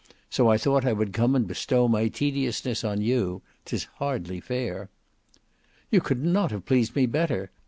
So I thought I would come and bestow my tediousness on you. 'Tis hardly fair." "You could not have pleased me better.